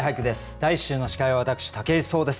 第１週の司会は私武井壮です。